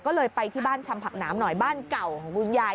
ก็เลยไปที่บ้านชำผักหนามหน่อยบ้านเก่าของคุณยาย